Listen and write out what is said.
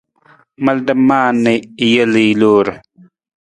Malada maa na i jel i loor.